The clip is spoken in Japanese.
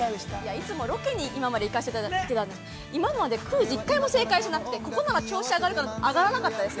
いつもロケに今まで行かせてもらってたんですが、今までクイズ、１回も正解してなくて、ここなら調子が上がるかなと思ったら、上がらなかったです。